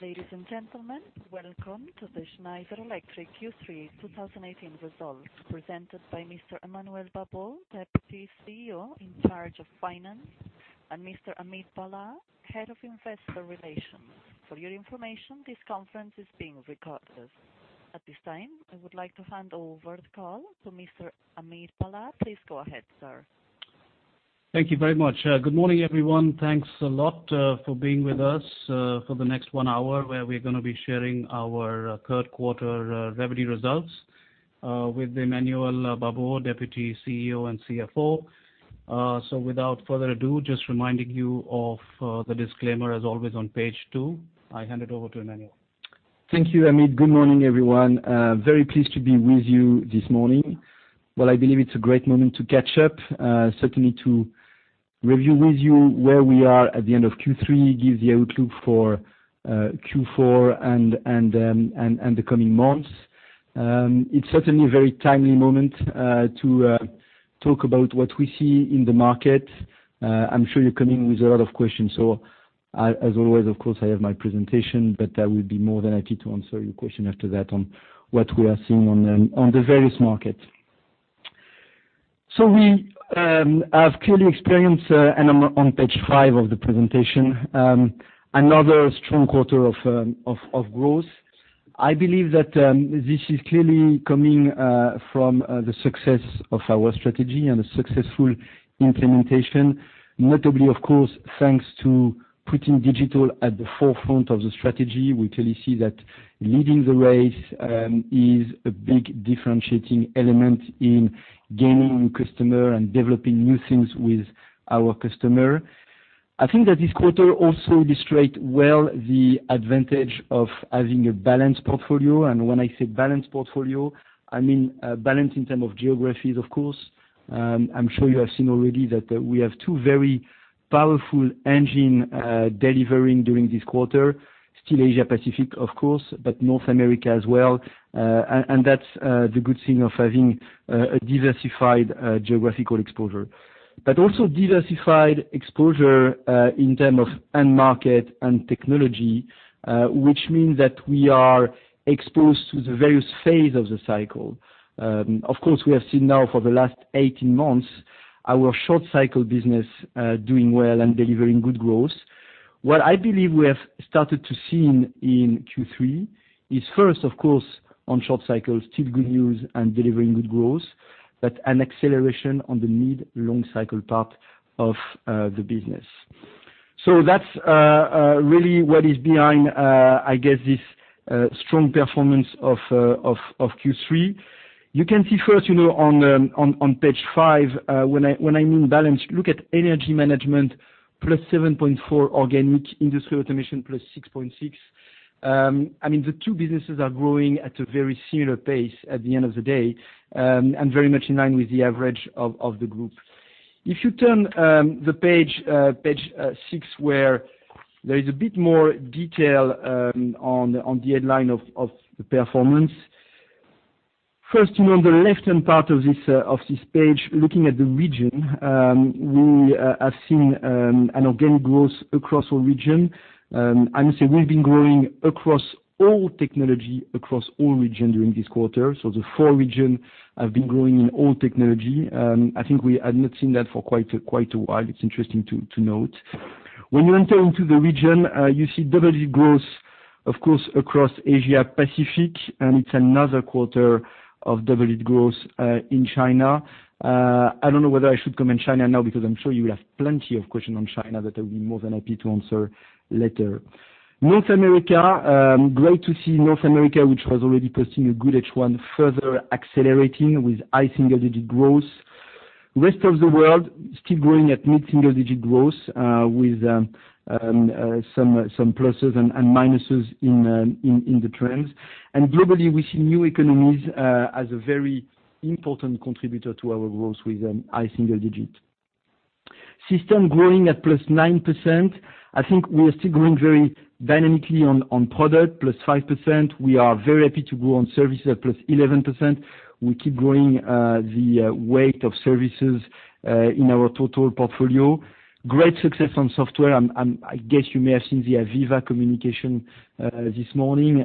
Ladies and gentlemen, welcome to the Schneider Electric Q3 2018 results presented by Mr. Emmanuel Babeau, Deputy CEO in charge of Finance, and Mr. Amit Bhalla, Head of Investor Relations. For your information, this conference is being recorded. At this time, I would like to hand over the call to Mr. Amit Bhalla. Please go ahead, sir. Thank you very much. Good morning, everyone. Thanks a lot for being with us for the next one hour, where we're going to be sharing our third quarter revenue results with Emmanuel Babeau, Deputy CEO and CFO. Without further ado, just reminding you of the disclaimer, as always, on page two, I hand it over to Emmanuel. Thank you, Amit. Good morning, everyone. Very pleased to be with you this morning. Well, I believe it's a great moment to catch up. Certainly to review with you where we are at the end of Q3, give the outlook for Q4 and the coming months. It's certainly a very timely moment to talk about what we see in the market. I'm sure you're coming with a lot of questions. As always, of course, I have my presentation, but I would be more than happy to answer your question after that on what we are seeing on the various markets. We have clearly experienced, and on page five of the presentation, another strong quarter of growth. I believe that this is clearly coming from the success of our strategy and a successful implementation. Notably, of course, thanks to putting digital at the forefront of the strategy, we clearly see that leading the race is a big differentiating element in gaining new customer and developing new things with our customer. I think that this quarter also illustrate well the advantage of having a balanced portfolio. When I say balanced portfolio, I mean balanced in term of geographies, of course. I'm sure you have seen already that we have two very powerful engine delivering during this quarter. Still Asia Pacific, of course, but North America as well. That's the good thing of having a diversified geographical exposure. Also diversified exposure in term of end market and technology, which means that we are exposed to the various phase of the cycle. Of course, we have seen now for the last 18 months, our short cycle business doing well and delivering good growth. What I believe we have started to see in Q3 is first, of course, on short cycles, still good news and delivering good growth, but an acceleration on the mid-long cycle part of the business. That's really what is behind, I guess, this strong performance of Q3. You can see first, on page five, when I'm in balance, look at Energy Management, +7.4% organic, Industrial Automation +6.6%. I mean, the two businesses are growing at a very similar pace at the end of the day, and very much in line with the average of the group. If you turn the page six, where there is a bit more detail on the headline of the performance. First, on the left-hand part of this page, looking at the region, we have seen an organic growth across all regions. I must say we've been growing across all technology, across all regions during this quarter. The four regions have been growing in all technology. I think we had not seen that for quite a while. It's interesting to note. When you enter into the regions, you see double growth, of course, across Asia Pacific, and it's another quarter of double growth in China. I don't know whether I should comment China now because I'm sure you will have plenty of questions on China that I'll be more than happy to answer later. North America, great to see North America, which was already posting a good H1, further accelerating with high single-digit growth. Rest of the world still growing at mid-single-digit growth, with some pluses and minuses in the trends. Globally, we see new economies as a very important contributor to our growth with high single-digit. System growing at +9%. I think we are still growing very dynamically on product, +5%. We are very happy to grow on service at +11%. We keep growing the weight of services in our total portfolio. Great success on software. I guess you may have seen the AVEVA communication this morning,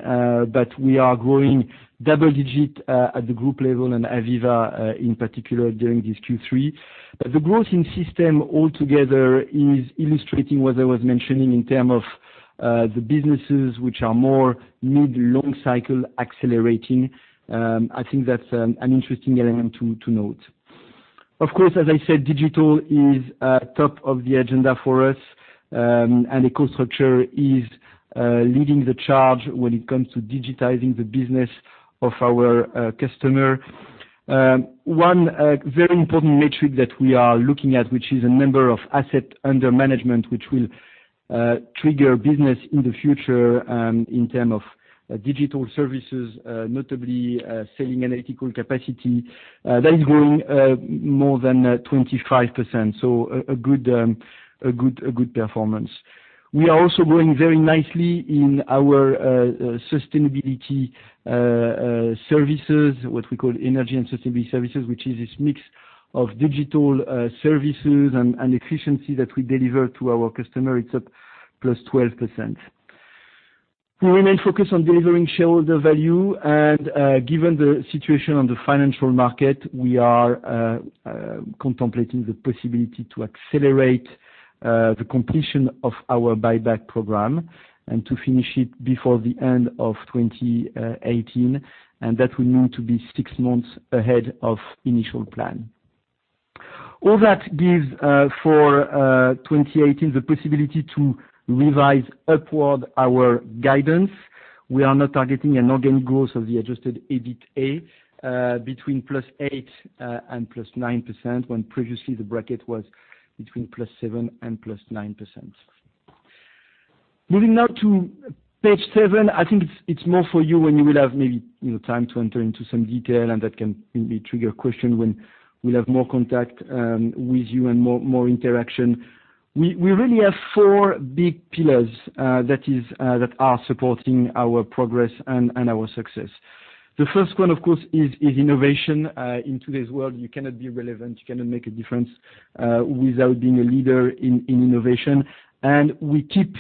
but we are growing double-digit at the group level and AVEVA in particular during this Q3. The growth in system altogether is illustrating what I was mentioning in terms of the businesses which are more mid-long cycle accelerating. That's an interesting element to note. Of course, as I said, digital is top of the agenda for us, and EcoStruxure is leading the charge when it comes to digitizing the business of our customers. One very important metric that we are looking at, which is a number of assets under management, which will trigger business in the future in terms of digital services, notably selling analytical capacity. That is growing more than 25%, so a good performance. We are also growing very nicely in our sustainability services, what we call Energy and Sustainability Services, which is this mix of digital services and efficiency that we deliver to our customers. It's up +12%. We remain focused on delivering shareholder value. Given the situation on the financial market, we are contemplating the possibility to accelerate the completion of our buyback program and to finish it before the end of 2018. That will mean to be six months ahead of initial plan. All that gives for 2018, the possibility to revise upward our guidance. We are now targeting an organic growth of the Adjusted EBITA between +8% and +9%, when previously the bracket was between +7% and +9%. Moving to Page 7, I think it is more for you when you will have maybe time to enter into some detail, and that can maybe trigger a question when we will have more contact with you and more interaction. We really have four big pillars that are supporting our progress and our success. The first one, of course, is innovation. In today's world, you cannot be relevant, you cannot make a difference without being a leader in innovation. We keep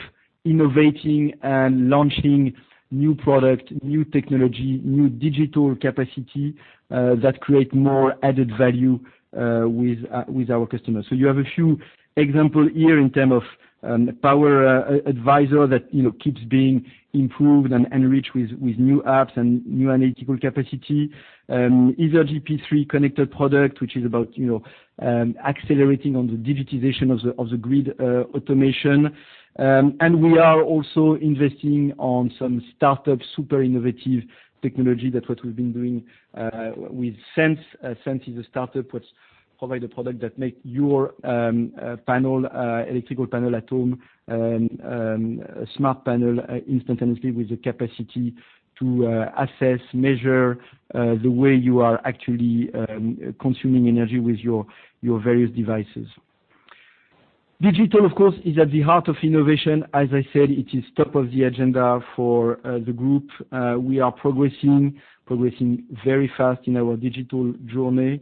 innovating and launching new product, new technology, new digital capacity that create more added value with our customers. You have a few example here in term of Power Advisor that keeps being improved and enriched with new apps and new analytical capacity. Easergy P3 connected product, which is about accelerating on the digitization of the grid automation. We are also investing on some startup super innovative technology, that is what we have been doing with Sense. Sense is a startup which provides a product that makes your electrical panel at home a smart panel instantaneously with the capacity to assess, measure the way you are actually consuming energy with your various devices. Digital, of course, is at the heart of innovation. As I said, it is top of the agenda for the group. We are progressing very fast in our digital journey.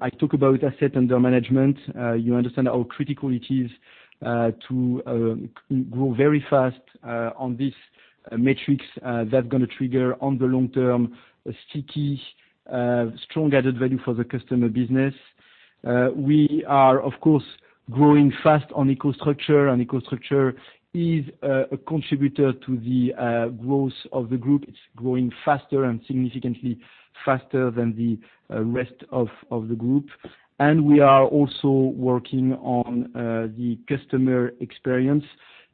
I talk about asset under management. You understand how critical it is to grow very fast on this matrix. That is going to trigger, on the long term, a sticky strong added value for the customer business. We are, of course, growing fast on EcoStruxure, and EcoStruxure is a contributor to the growth of the group. It is growing faster and significantly faster than the rest of the group. We are also working on the customer experience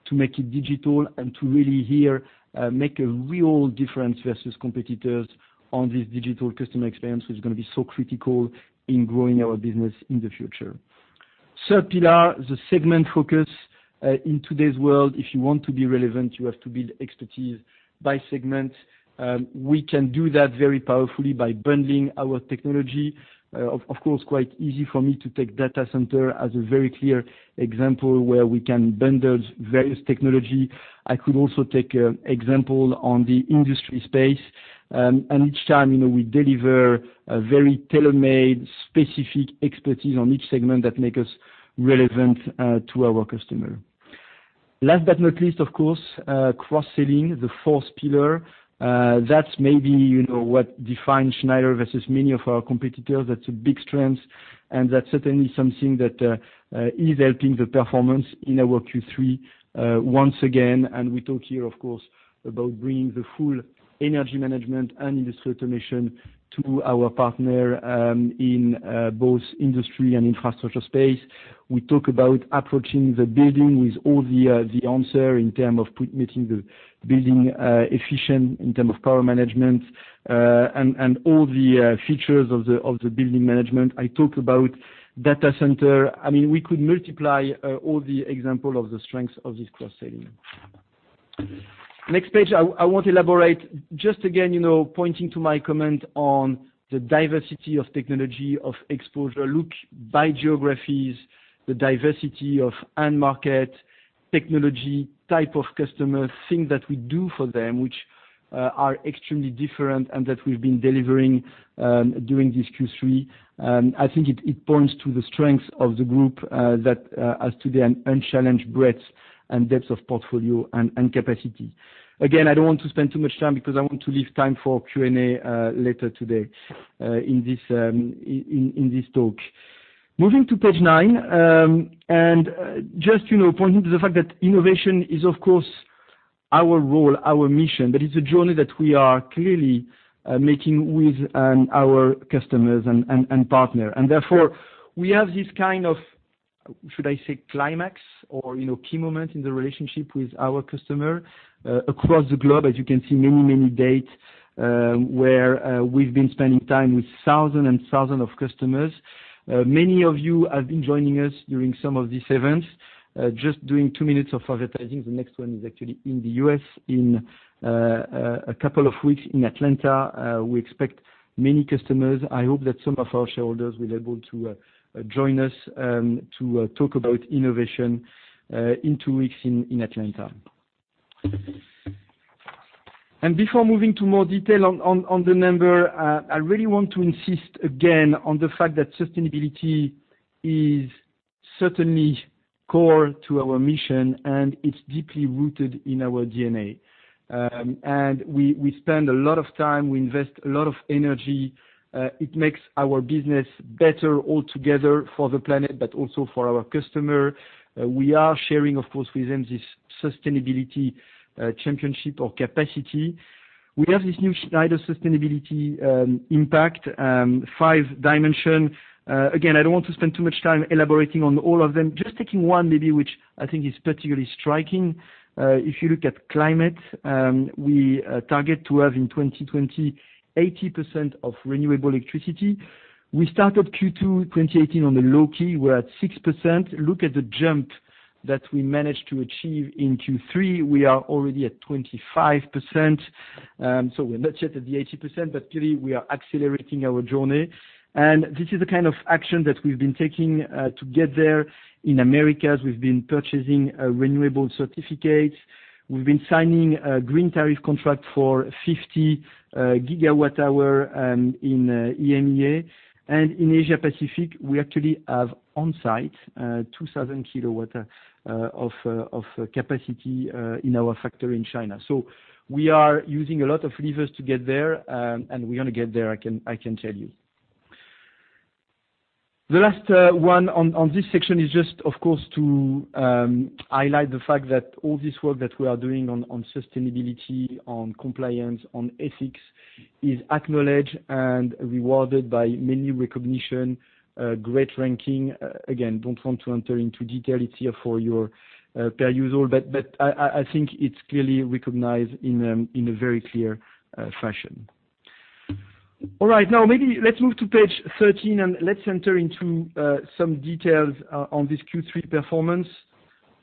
to make it digital and to really here make a real difference versus competitors on this digital customer experience, which is going to be so critical in growing our business in the future. Third pillar, the segment focus. In today's world, if you want to be relevant, you have to build expertise by segment. We can do that very powerfully by bundling our technology. Of course, quite easy for me to take data center as a very clear example where we can bundle various technology. I could also take example on the industry space. Each time, we deliver a very tailor-made, specific expertise on each segment that makes us relevant to our customer. Last but not least, of course, cross-selling, the fourth pillar. That is maybe what defines Schneider versus many of our competitors. That is a big strength, and that is certainly something that is helping the performance in our Q3 once again, and we talk here, of course, about bringing the full Energy Management and Industrial Automation to our partner in both industry and infrastructure space. We talk about approaching the building with all the answer in term of making the building efficient in term of power management, and all the features of the building management. I talk about data center. We could multiply all the example of the strengths of this cross-selling. Next page, I will not elaborate. Just again, pointing to my comment on the diversity of technology, of exposure. Look by geographies, the diversity of end market, technology, type of customer, thing that we do for them, which are extremely different and that we've been delivering during this Q3. I think it points to the strength of the group that has today an unchallenged breadth and depth of portfolio and capacity. Again, I don't want to spend too much time because I want to leave time for Q&A later today in this talk. Moving to page 9, just pointing to the fact that innovation is, of course, our role, our mission. That is a journey that we are clearly making with our customers and partner. Therefore, we have this kind of, should I say, climax or key moment in the relationship with our customer across the globe. As you can see, many dates where we've been spending time with thousand and thousand of customers. Many of you have been joining us during some of these events. Just doing 2 minutes of advertising, the next one is actually in the U.S. in a couple of weeks in Atlanta. We expect many customers. I hope that some of our shareholders will able to join us to talk about innovation in 2 weeks in Atlanta. Before moving to more detail on the number, I really want to insist again on the fact that sustainability is certainly core to our mission, and it's deeply rooted in our DNA. We spend a lot of time, we invest a lot of energy. It makes our business better altogether for the planet, but also for our customer. We are sharing, of course, with them this sustainability championship or capacity. We have this new Schneider Sustainability Impact, five dimension. Again, I don't want to spend too much time elaborating on all of them. Just taking one maybe, which I think is particularly striking. If you look at climate, we target to have in 2020, 80% of renewable electricity. We started Q2 2018 on the low key. We're at 6%. Look at the jump that we managed to achieve in Q3. We are already at 25%, so we're not yet at the 80%, but clearly, we are accelerating our journey. This is the kind of action that we've been taking to get there. In Americas, we've been purchasing renewable certificates. We've been signing a green tariff contract for 50 gigawatt hour in EMEA. In Asia Pacific, we actually have on-site 2,000 kilowatt of capacity in our factory in China. We are using a lot of levers to get there, and we're going to get there, I can tell you. The last one on this section is just, of course, to highlight the fact that all this work that we are doing on sustainability, on compliance, on ethics, is acknowledged and rewarded by many recognition, great ranking. Again, don't want to enter into detail. It's here for your perusal. I think it's clearly recognized in a very clear fashion. All right. Now, maybe let's move to page 13, let's enter into some details on this Q3 performance.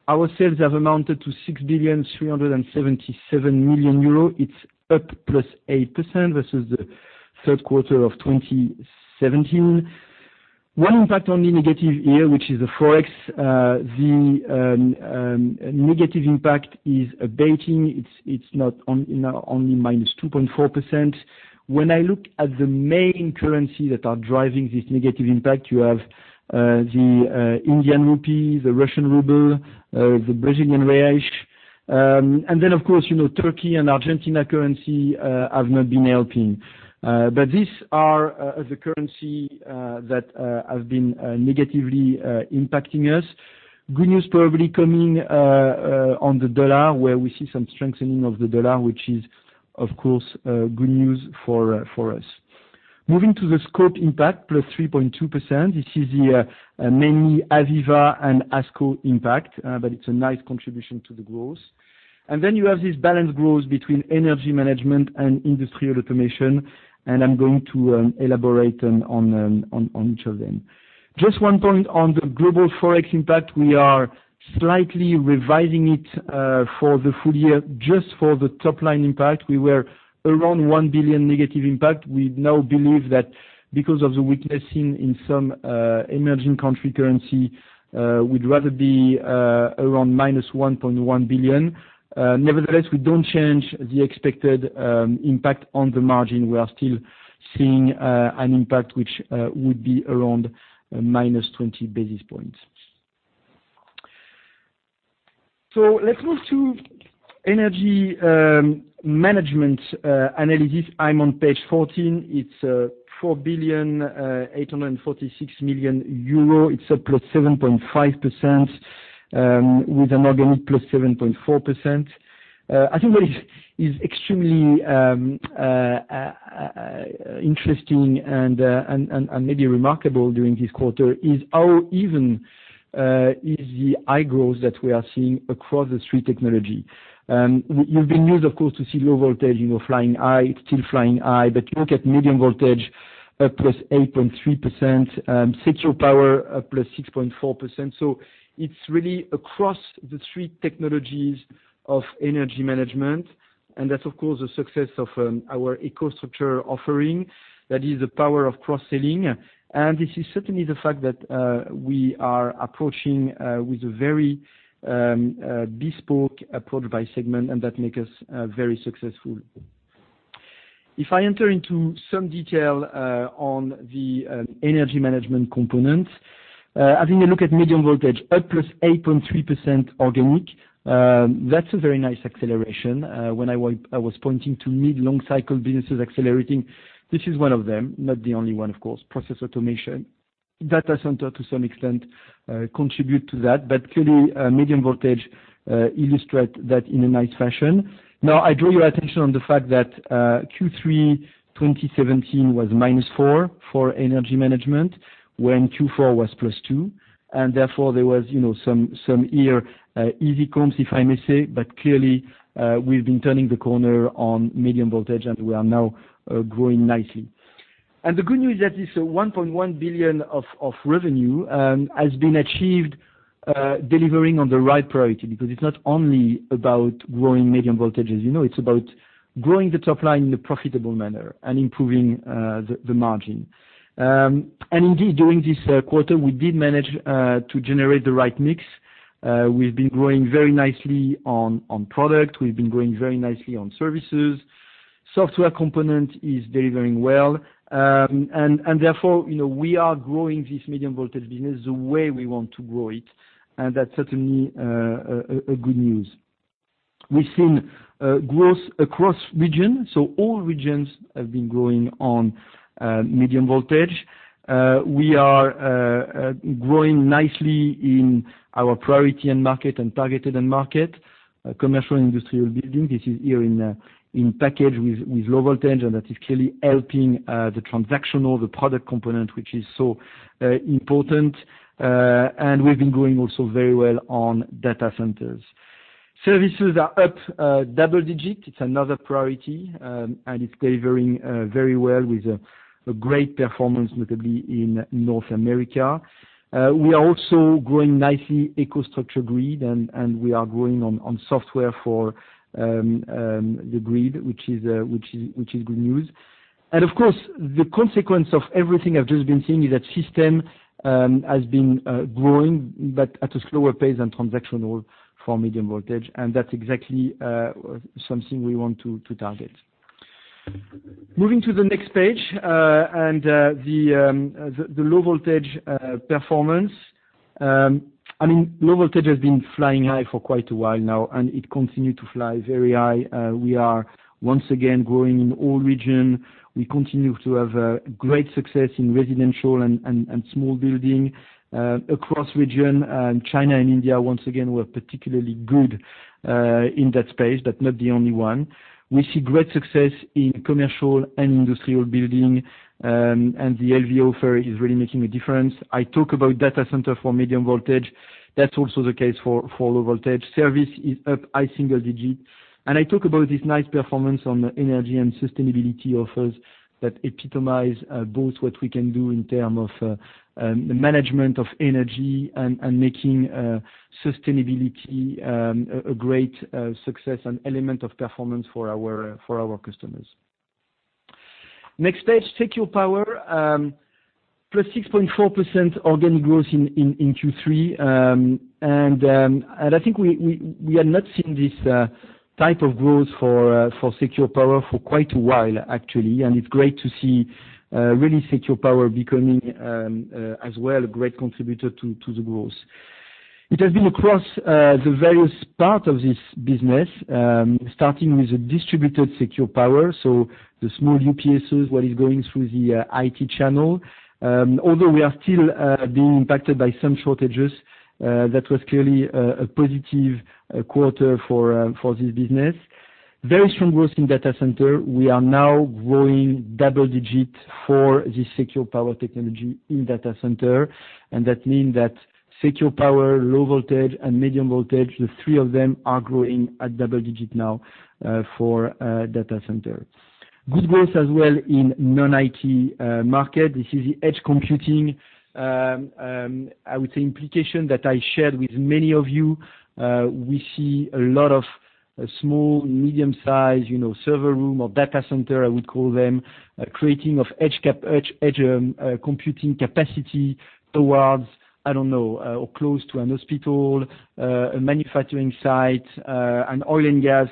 Our sales have amounted to 6,377,000,000 euros. It's up +8%. This is the third quarter of 2017. One impact, only negative here, which is the Forex. The negative impact is abating. It's now only -2.4%. The main currency that are driving this negative impact, you have the Indian rupee, the Russian ruble, the Brazilian real. Turkey and Argentina currency have not been helping. These are the currency that have been negatively impacting us. Good news probably coming on the USD, where we see some strengthening of the USD, which is, of course, good news for us. Moving to the scope impact, +3.2%. This is the mainly AVEVA and ASCO impact, it is a nice contribution to the growth. You have this balanced growth between Energy Management and Industrial Automation, I am going to elaborate on each of them. Just one point on the global Forex impact. We are slightly revising it for the full year. For the top-line impact, we were around 1 billion negative impact. We now believe that because of the weakness in some emerging country currency, we would rather be around -1.1 billion. Nevertheless, we do not change the expected impact on the margin. We are still seeing an impact which would be around -20 basis points. Let's move to Energy Management analysis. I am on page 14. It is 4,846,000,000 euro. It is up +7.5%, with an organic +7.4%. What is extremely interesting and maybe remarkable during this quarter is how even is the high growth that we are seeing across the three technology. You have been used, of course, to see Low Voltage flying high. It is still flying high, look at Medium Voltage, up +8.3%, Secure Power up +6.4%. It is really across the three technologies of Energy Management, that is, of course, the success of our EcoStruxure offering. That is the power of cross-selling. This is certainly the fact that we are approaching with a very bespoke approach by segment, that make us very successful. If I enter into some detail on the Energy Management component, having a look at Medium Voltage up +8.3% organic. That is a very nice acceleration. When I was pointing to mid, long cycle businesses accelerating, this is one of them. Not the only one, of course. Process Automation, data center, to some extent, contribute to that. Clearly, Medium Voltage illustrate that in a nice fashion. I draw your attention on the fact that Q3 2017 was -4 for Energy Management, when Q4 was +2, therefore there was some here easy comps, if I may say. Clearly, we have been turning the corner on Medium Voltage, we are now growing nicely. The good news is that this 1.1 billion of revenue has been achieved delivering on the right priority, because it is not only about growing Medium Voltage. It is about growing the top line in a profitable manner and improving the margin. Indeed, during this quarter, we did manage to generate the right mix. We have been growing very nicely on product. We have been growing very nicely on services. Software component is delivering well. Therefore, we are growing this Medium Voltage business the way we want to grow it. That is certainly a good news. We have seen growth across regions. All regions have been growing on Medium Voltage. We are growing nicely in our priority end market and targeted end market, commercial and industrial building. This is here in package with Low Voltage, that is clearly helping the transactional, the product component, which is so important. We've been growing also very well on data centers. Services are up double digit. It's another priority, and it's delivering very well with a great performance, notably in North America. We are also growing nicely EcoStruxure Grid, and we are growing on software for the Grid, which is good news. Of course, the consequence of everything I've just been saying is that system has been growing, but at a slower pace than transactional for Medium Voltage. That's exactly something we want to target. Moving to the next page, the Low Voltage performance. Low Voltage has been flying high for quite a while now, and it continue to fly very high. We are once again growing in all region. We continue to have a great success in residential and small building, across region. China and India, once again, were particularly good in that space, but not the only one. We see great success in commercial and industrial building, and the LV offer is really making a difference. I talk about data center for Medium Voltage. That's also the case for Low Voltage. Service is up high single digit. I talk about this nice performance on Energy and Sustainability Services that epitomize both what we can do in term of the management of energy and making sustainability a great success and element of performance for our customers. Next page, Secure Power. +6.4% organic growth in Q3. I think we had not seen this type of growth for Secure Power for quite a while, actually. It's great to see really Secure Power becoming as well, a great contributor to the growth. It has been across the various part of this business, starting with the distributed Secure Power. The small UPSs, what is going through the IT channel. Although we are still being impacted by some shortages, that was clearly a positive quarter for this business. Very strong growth in data center. We are now growing double digit for the Secure Power technology in data center, that mean that Secure Power, Low Voltage, and Medium Voltage, the three of them are growing at double digit now for data center. Good growth as well in non-IT market. This is the edge computing, I would say, implication that I shared with many of you. We see a lot of small and medium size server room or data center, I would call them, creating of edge computing capacity towards, I don't know, or close to an hospital, a manufacturing site, an oil and gas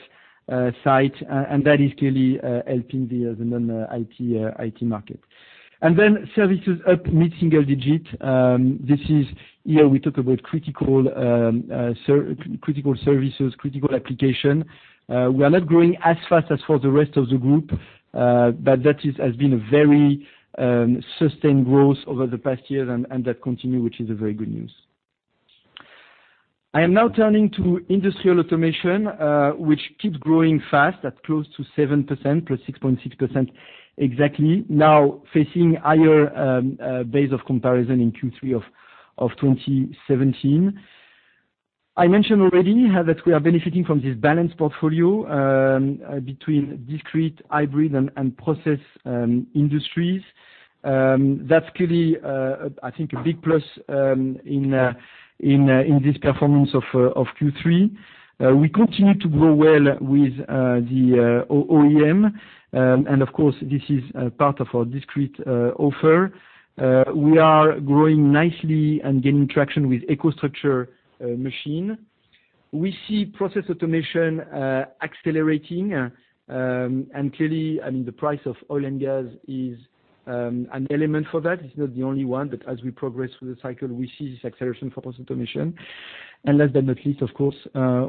site. That is clearly helping the other non-IT market. Then services up mid-single digit. Here we talk about critical services, critical application. We are not growing as fast as for the rest of the group, but that has been a very sustained growth over the past years, and that continue, which is a very good news. I am now turning to Industrial Automation, which keeps growing fast at close to 7%, +6.6% exactly. Now facing higher base of comparison in Q3 of 2017. I mentioned already that we are benefiting from this balanced portfolio between discrete, hybrid, and process industries. That's clearly, I think, a big plus in this performance of Q3. We continue to grow well with the OEM. Of course, this is part of our discrete offer. We are growing nicely and gaining traction with EcoStruxure Machine. We see process automation accelerating. Clearly, the price of oil and gas is an element for that. It's not the only one, but as we progress through the cycle, we see this acceleration for process automation. Last but not least, of course,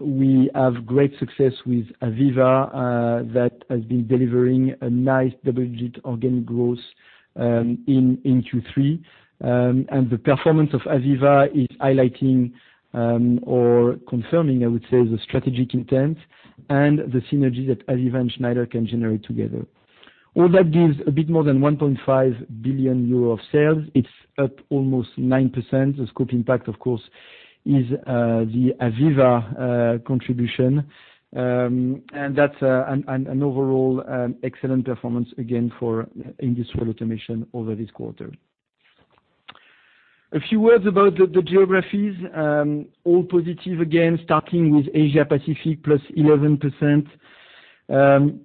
we have great success with AVEVA that has been delivering a nice double-digit organic growth in Q3. The performance of AVEVA is highlighting, or confirming, I would say, the strategic intent and the synergy that AVEVA and Schneider can generate together. All that gives a bit more than 1.5 billion euro of sales. It's up almost 9%. The scope impact, of course, is the AVEVA contribution. That's an overall excellent performance again for Industrial Automation over this quarter. A few words about the geographies. All positive again, starting with Asia Pacific, +11%.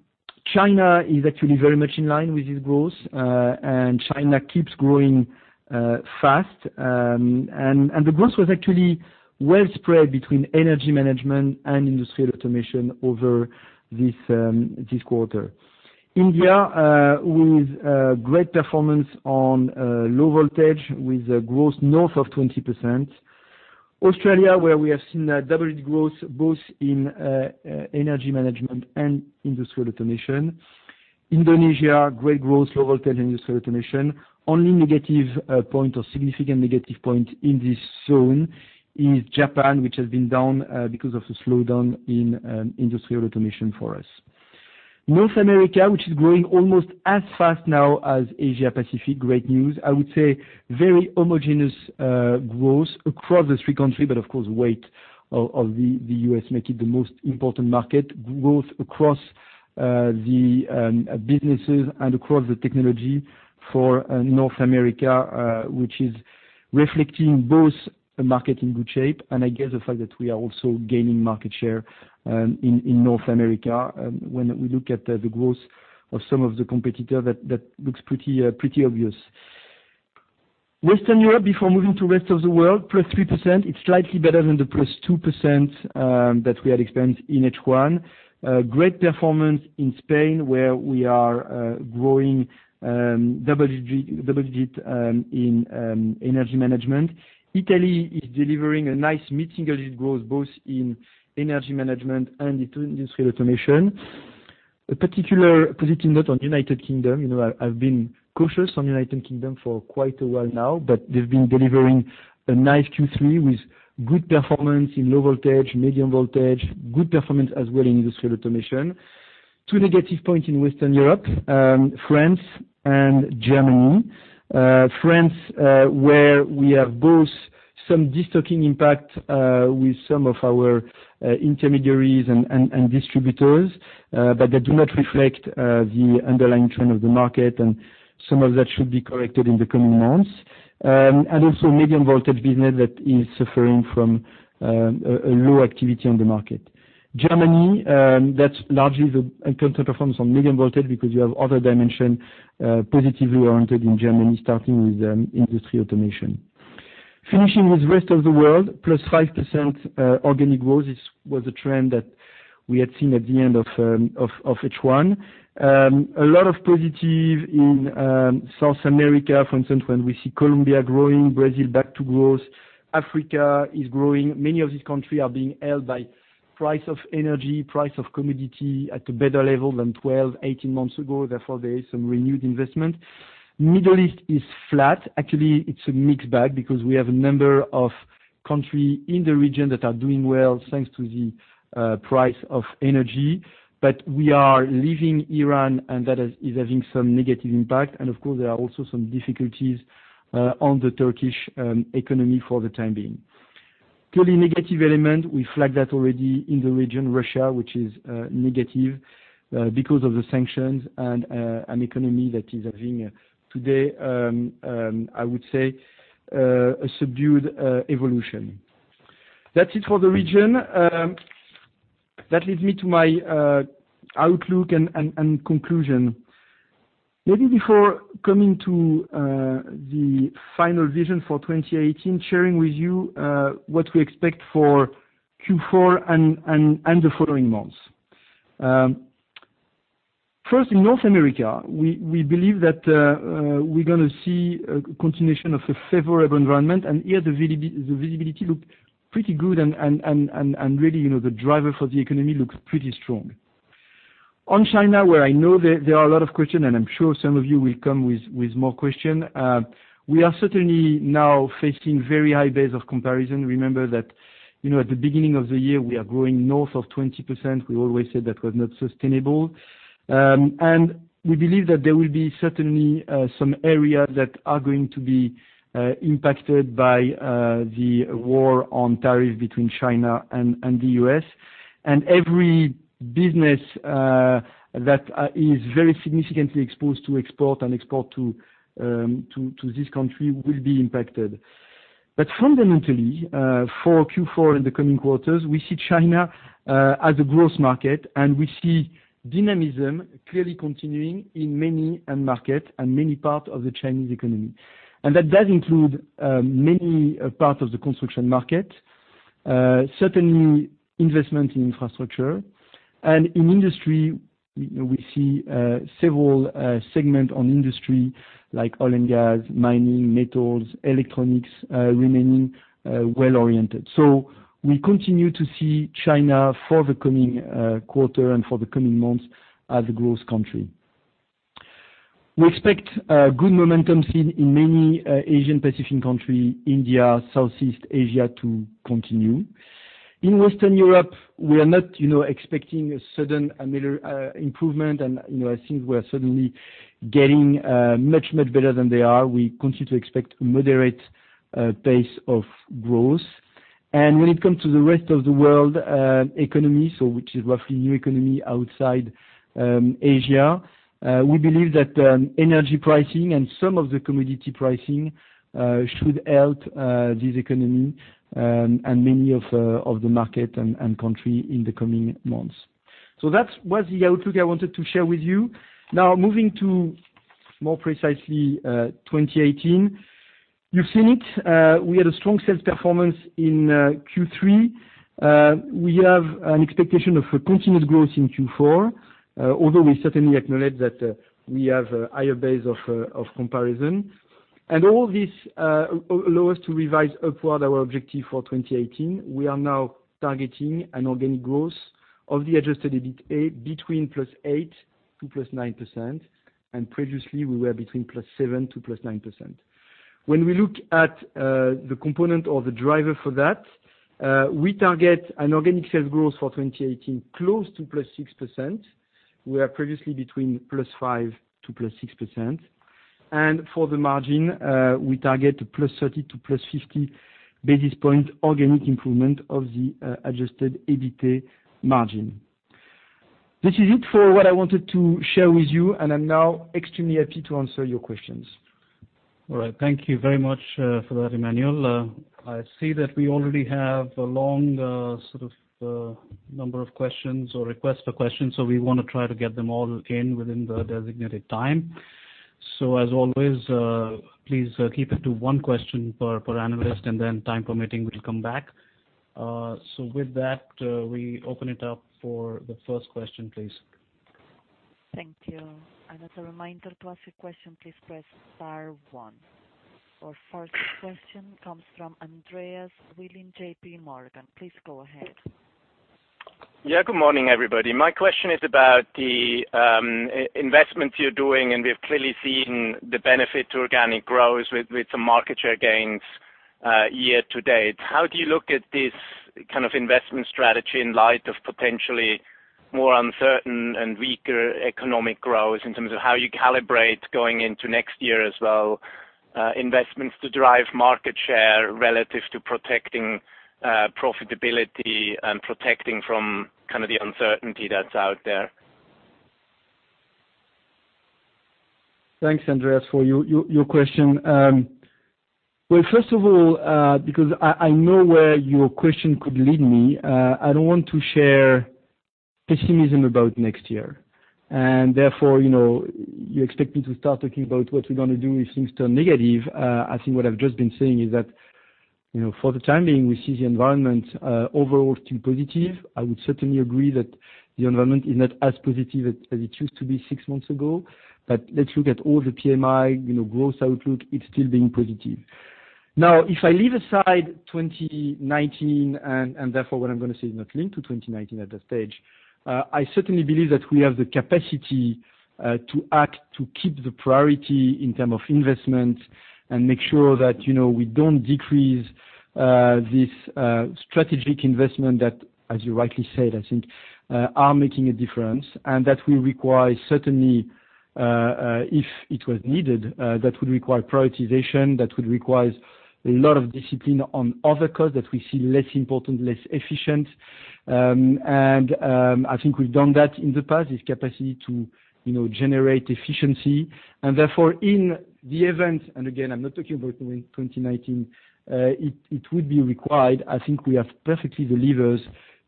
China is actually very much in line with this growth, China keeps growing fast. The growth was actually well spread between Energy Management and Industrial Automation over this quarter. India, with great performance on Low Voltage with a growth north of 20%. Australia, where we have seen a double growth, both in Energy Management and Industrial Automation. Indonesia, great growth, Low Voltage Industrial Automation. Only negative point or significant negative point in this zone is Japan, which has been down because of the slowdown in Industrial Automation for us. North America, which is growing almost as fast now as Asia Pacific, great news. I would say very homogeneous growth across the three country, of course, weight of the U.S. make it the most important market, both across the businesses and across the technology for North America, which is reflecting both a market in good shape and I guess the fact that we are also gaining market share in North America. When we look at the growth of some of the competitor, that looks pretty obvious. Western Europe, before moving to rest of the world, +3%, it's slightly better than the +2% that we had experienced in H1. Great performance in Spain, where we are growing double digit in Energy Management. Italy is delivering a nice mid-single digit growth, both in Energy Management and Industrial Automation. A particular positive note on United Kingdom. I've been cautious on United Kingdom for quite a while now, they've been delivering a nice Q3 with good performance in Low Voltage, Medium Voltage, good performance as well in Industrial Automation. Two negative points in Western Europe, France and Germany. France, where we have both some destocking impact with some of our intermediaries and distributors, that do not reflect the underlying trend of the market and some of that should be corrected in the coming months. Also Medium Voltage business that is suffering from a low activity on the market. Germany, that's largely the counterperformance on Medium Voltage because you have other dimension positively oriented in Germany, starting with Industrial Automation. Finishing with rest of the world, +5% organic growth. This was a trend that we had seen at the end of H1. A lot of positive in South America, for instance, when we see Colombia growing, Brazil back to growth, Africa is growing. Many of these countries are being helped by price of energy, price of commodity at a better level than 12, 18 months ago. There is some renewed investment. Middle East is flat. It's a mixed bag because we have a number of countries in the region that are doing well thanks to the price of energy. We are leaving Iran, and that is having some negative impact. Of course, there are also some difficulties on the Turkish economy for the time being. Clearly negative element, we flagged that already in the region, Russia, which is negative because of the sanctions and an economy that is having today, I would say, a subdued evolution. That's it for the region. That leads me to my outlook and conclusion. Maybe before coming to the final vision for 2018, sharing with you what we expect for Q4 and the following months. First, in North America, we believe that we're going to see a continuation of a favorable environment. Here the visibility look pretty good and really the driver for the economy looks pretty strong. On China, where I know there are a lot of questions, I'm sure some of you will come with more questions. We are certainly now facing very high base of comparison. Remember that, at the beginning of the year, we are growing north of 20%. We always said that was not sustainable. We believe that there will be certainly some areas that are going to be impacted by the war on tariff between China and the U.S. Every business that is very significantly exposed to export and export to these countries will be impacted. Fundamentally, for Q4 and the coming quarters, we see China as a growth market, and we see dynamism clearly continuing in many end markets and many parts of the Chinese economy. That does include many parts of the construction market, certainly investment in infrastructure. In industry, we see several segments on industry like oil and gas, mining, metals, electronics remaining well-oriented. We continue to see China for the coming quarter and for the coming months as a growth country. We expect good momentum seen in many Asia Pacific countries, India, Southeast Asia, to continue. In Western Europe, we are not expecting a sudden improvement, I think we're suddenly getting much, much better than they are. We continue to expect a moderate pace of growth. When it comes to the rest of the world economy, which is roughly new economy outside Asia, we believe that energy pricing and some of the commodity pricing should help this economy and many of the markets and countries in the coming months. That was the outlook I wanted to share with you. More precisely, 2018. You've seen it, we had a strong sales performance in Q3. We have an expectation of a continued growth in Q4, although we certainly acknowledge that we have a higher base of comparison. All this allows us to revise upward our objective for 2018. We are now targeting an organic growth of the Adjusted EBITA between +8% to +9%, and previously we were between +7% to +9%. When we look at the component or the driver for that, we target an organic sales growth for 2018, close to +6%. We are previously between +5% to +6%. For the margin, we target +30 to +50 basis point organic improvement of the Adjusted EBITA margin. This is it for what I wanted to share with you, and I'm now extremely happy to answer your questions. All right. Thank you very much for that, Emmanuel. I see that we already have a long number of questions or requests for questions. We want to try to get them all in within the designated time. As always, please keep it to one question per analyst, and then time permitting, we'll come back. With that, we open it up for the first question, please. Thank you. As a reminder to ask a question, please press star one. Our first question comes from Andreas Willi, JPMorgan. Please go ahead. Good morning, everybody. My question is about the investments you're doing. We've clearly seen the benefit to organic growth with some market share gains year to date. How do you look at this kind of investment strategy in light of potentially more uncertain and weaker economic growth in terms of how you calibrate going into next year as well, investments to drive market share relative to protecting profitability and protecting from kind of the uncertainty that's out there? Thanks, Andreas, for your question. Well, first of all, because I know where your question could lead me, I don't want to share pessimism about next year. Therefore, you expect me to start talking about what we're going to do if things turn negative. I think what I've just been saying is that, for the time being, we see the environment overall still positive. I would certainly agree that the environment is not as positive as it used to be six months ago. Let's look at all the PMI growth outlook, it's still being positive. Now, if I leave aside 2019, therefore what I'm going to say is not linked to 2019 at that stage, I certainly believe that we have the capacity to act to keep the priority in term of investment and make sure that we don't decrease this strategic investment that, as you rightly said, I think, are making a difference. That will require certainly, if it was needed, that would require prioritization, that would require a lot of discipline on other costs that we see less important, less efficient. I think we've done that in the past, this capacity to generate efficiency. Therefore, in the event, and again, I'm not talking about 2019, it would be required. I think we have perfectly the levers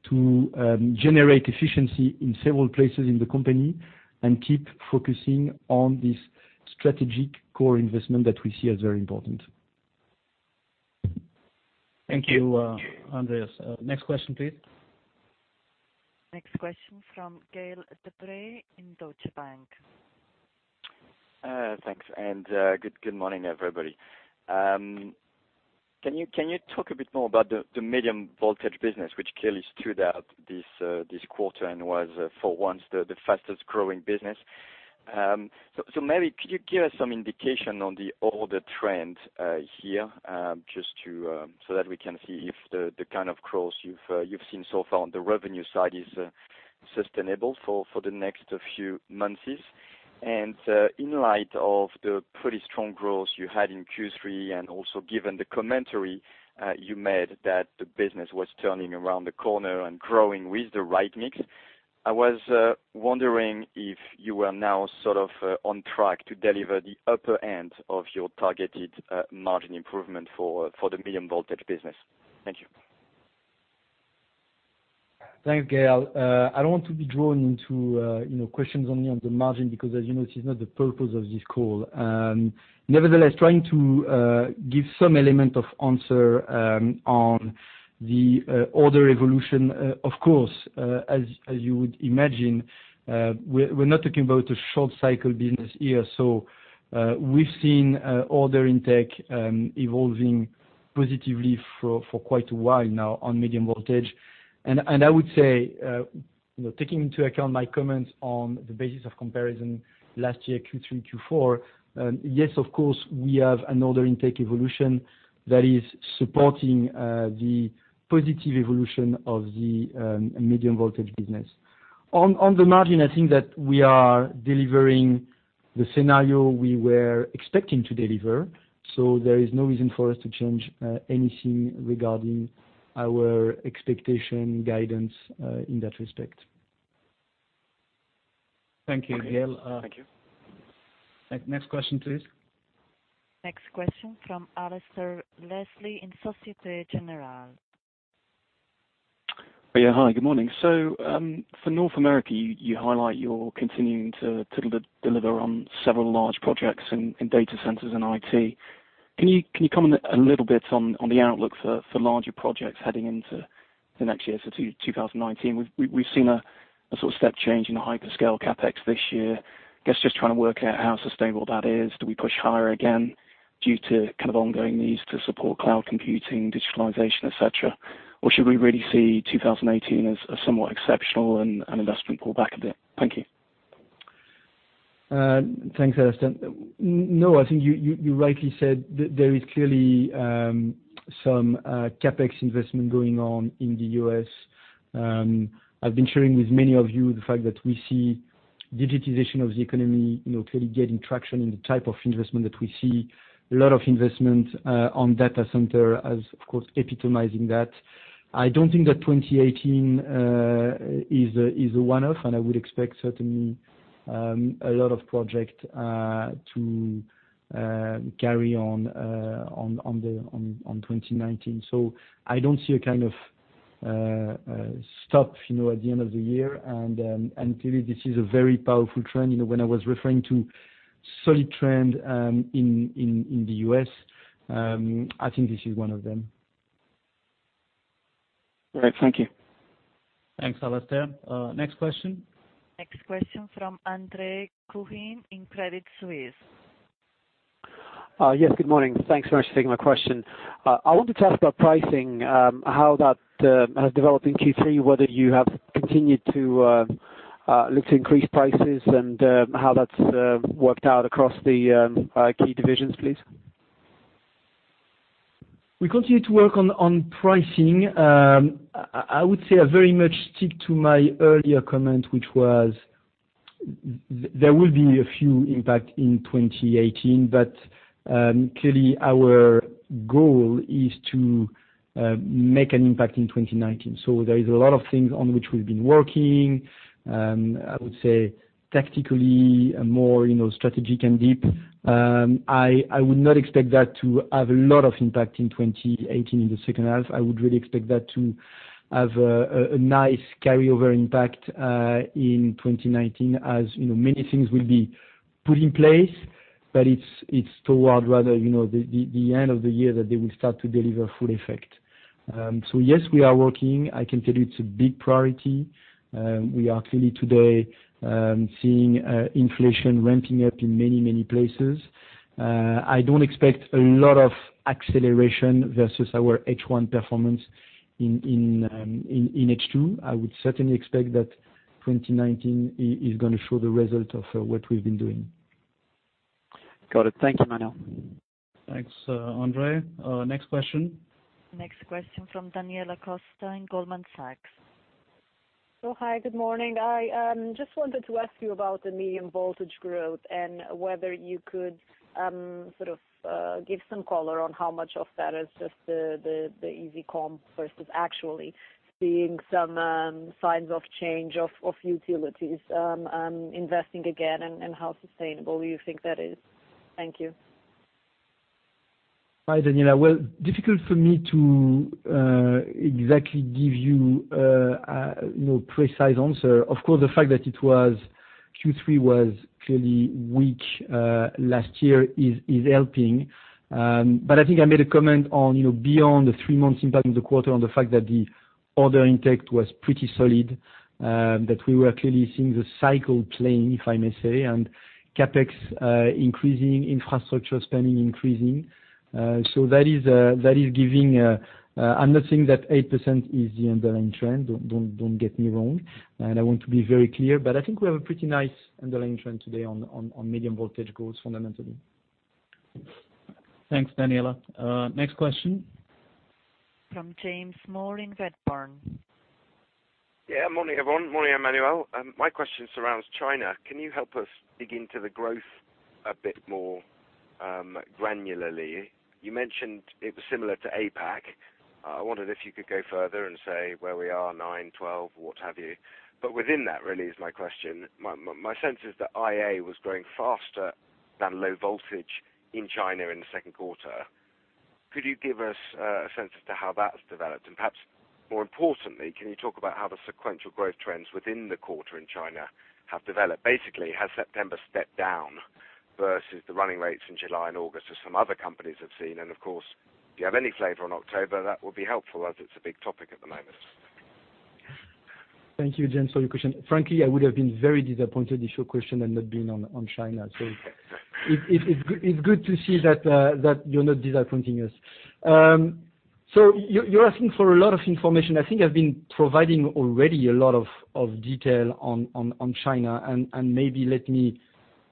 to generate efficiency in several places in the company and keep focusing on this strategic core investment that we see as very important. Thank you, Andreas. Next question, please. Next question from Gaël De Bray in Deutsche Bank. Thanks. Good morning, everybody. Can you talk a bit more about the Medium Voltage business, which clearly stood out this quarter and was, for once, the fastest growing business? Maybe could you give us some indication on the order trend here, so that we can see if the kind of growth you've seen so far on the revenue side is sustainable for the next few months? In light of the pretty strong growth you had in Q3, also given the commentary you made that the business was turning around the corner and growing with the right mix, I was wondering if you were now sort of on track to deliver the upper end of your targeted margin improvement for the Medium Voltage business. Thank you. Thanks, Gaël. I don't want to be drawn into questions only on the margin because as you know, this is not the purpose of this call. Nevertheless, trying to give some element of answer on the order evolution, of course, as you would imagine, we're not talking about a short cycle business here. We've seen order intake evolving positively for quite a while now on Medium Voltage. I would say, taking into account my comments on the basis of comparison last year, Q3, Q4, yes, of course, we have an order intake evolution that is supporting the positive evolution of the Medium Voltage business. On the margin, I think that we are delivering the scenario we were expecting to deliver. There is no reason for us to change anything regarding our expectation guidance in that respect. Thank you, Gaël. Thank you. Next question, please. Next question from Alasdair Leslie in Société Générale. Yeah, hi, good morning. For North America, you highlight you're continuing to deliver on several large projects in data centers and IT. Can you comment a little bit on the outlook for larger projects heading into the next year, 2019? We've seen a sort of step change in the hyperscale CapEx this year. Guess just trying to work out how sustainable that is. Do we push higher again due to kind of ongoing needs to support cloud computing, digitalization, et cetera? Or should we really see 2018 as somewhat exceptional and investment pull back a bit? Thank you. Thanks, Alasdair. No, I think you rightly said there is clearly some CapEx investment going on in the U.S. I've been sharing with many of you the fact that we see digitization of the economy clearly getting traction in the type of investment that we see, a lot of investment on data center as, of course, epitomizing that. I don't think that 2018 is a one-off, and I would expect certainly, a lot of project to carry on 2019. I don't see a kind of stop at the end of the year, and clearly this is a very powerful trend. When I was referring to solid trend in the U.S., I think this is one of them. All right. Thank you. Thanks, Alasdair. Next question. Next question from Andre Kukhnin in Credit Suisse. Yes, good morning. Thanks very much for taking my question. I wanted to ask about pricing, how that has developed in Q3, whether you have continued to look to increase prices and how that's worked out across the key divisions, please. We continue to work on pricing. I would say I very much stick to my earlier comment, which was, there will be a few impact in 2018, but clearly our goal is to make an impact in 2019. There is a lot of things on which we've been working. I would say tactically, more strategic and deep. I would not expect that to have a lot of impact in 2018 in the second half. I would really expect that to have a nice carryover impact, in 2019, as many things will be put in place. But it's toward rather the end of the year that they will start to deliver full effect. Yes, we are working. I can tell you it's a big priority. We are clearly today seeing inflation ramping up in many, many places. I don't expect a lot of acceleration versus our H1 performance in H2. I would certainly expect that 2019 is going to show the result of what we've been doing. Got it. Thank you, Emmanuel. Thanks, Andre. Next question. Next question from Daniela Costa in Goldman Sachs. Hi, good morning. I just wanted to ask you about the Medium Voltage growth and whether you could sort of give some color on how much of that is just the easy comp versus actually seeing some signs of change of utilities, investing again, and how sustainable you think that is. Thank you. Hi, Daniela. Well, difficult for me to exactly give you a precise answer. Of course, the fact that Q3 was clearly weak last year is helping. I think I made a comment on beyond the three months impact in the quarter on the fact that the order intake was pretty solid, that we were clearly seeing the cycle playing, if I may say, and CapEx increasing, infrastructure spending increasing. I'm not saying that 8% is the underlying trend. Don't get me wrong, and I want to be very clear, I think we have a pretty nice underlying trend today on Medium Voltage growth fundamentally. Thanks, Daniela. Next question. From James Moore in Redburn. Morning, everyone. Morning, Emmanuel. My question surrounds China. Can you help us dig into the growth a bit more granularly? You mentioned it was similar to APAC. I wondered if you could go further and say where we are, nine, 12, what have you. Within that really is my question. My sense is that IA was growing faster than Low Voltage in China in the second quarter. Could you give us a sense as to how that's developed? Perhaps more importantly, can you talk about how the sequential growth trends within the quarter in China have developed? Basically, has September stepped down versus the running rates in July and August as some other companies have seen? Of course, if you have any flavor on October, that would be helpful as it's a big topic at the moment. Thank you, James, for your question. Frankly, I would have been very disappointed if your question had not been on China. It's good to see that you're not disappointing us. You're asking for a lot of information. I think I've been providing already a lot of detail on China, and maybe let me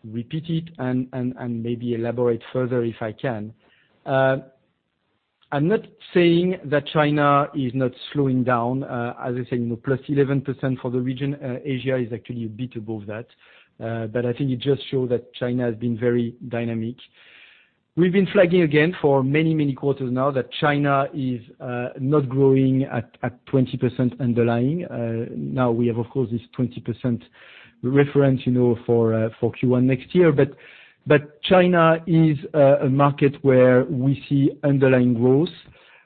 repeat it and maybe elaborate further if I can. I'm not saying that China is not slowing down. As I say, +11% for the region. Asia is actually a bit above that. I think it just shows that China has been very dynamic. We've been flagging again for many, many quarters now that China is not growing at 20% underlying. Now we have, of course, this 20% reference for Q1 next year. China is a market where we see underlying growth.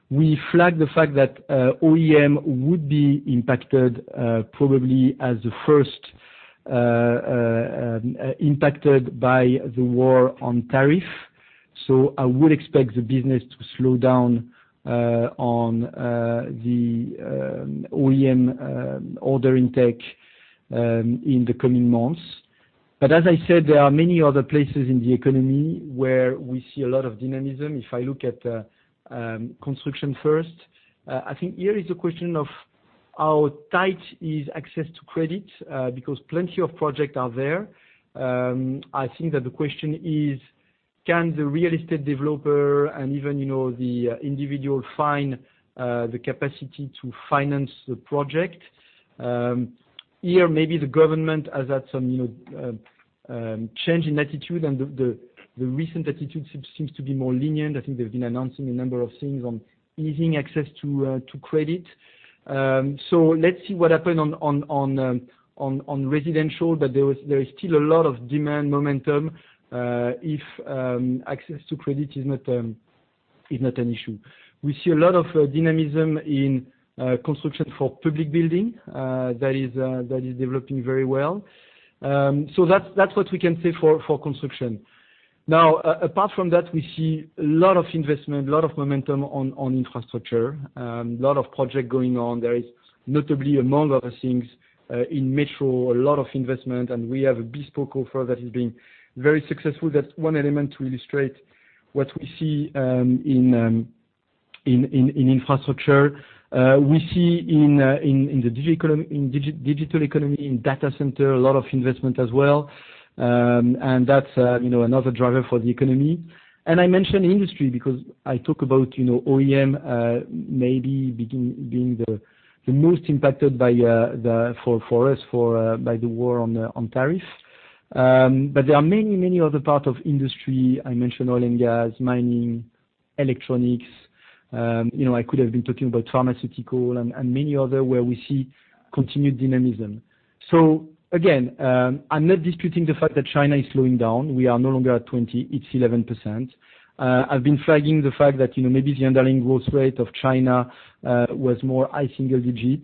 We flagged the fact that OEM would be impacted probably as the first impacted by the war on tariff. I would expect the business to slow down on the OEM order intake in the coming months. As I said, there are many other places in the economy where we see a lot of dynamism. If I look at construction first, I think here is a question of how tight is access to credit, because plenty of projects are there. I think that the question is, can the real estate developer and even the individual, find the capacity to finance the project? Here, maybe the government has had some change in attitude, and the recent attitude seems to be more lenient. I think they've been announcing a number of things on easing access to credit. Let's see what happens on residential, but there is still a lot of demand momentum if access to credit is not an issue. We see a lot of dynamism in construction for public building. That is developing very well. That's what we can say for construction. Apart from that, we see a lot of investment, a lot of momentum on infrastructure. A lot of project going on. There is notably, among other things, in Metro, a lot of investment, and we have a bespoke offer that is being very successful. That's one element to illustrate what we see in infrastructure. We see in digital economy, in data center, a lot of investment as well. That's another driver for the economy. I mention industry because I talk about OEM, maybe being the most impacted by the war on tariffs. There are many other parts of industry. I mentioned oil and gas, mining, electronics. I could have been talking about pharmaceutical and many other, where we see continued dynamism. Again, I'm not disputing the fact that China is slowing down. We are no longer at 20, it's 11%. I've been flagging the fact that maybe the underlying growth rate of China was more high single-digit.